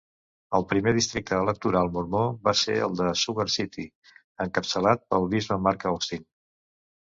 El primer districte electoral mormó va ser el de Sugar City, encapçalat pel bisbe Mark Austin.